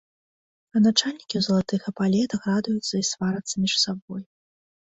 А начальнікі ў залатых эпалетах радуюцца і сварацца між сабой.